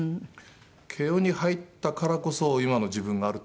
慶應に入ったからこそ今の自分があると思っているので。